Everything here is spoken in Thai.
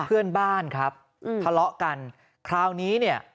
เพื่อนบ้านครับอืมทะเลาะกันคราวนี้เนี่ย